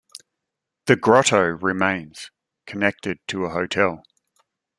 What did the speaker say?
"The Grotto" remains, connected to a hotel.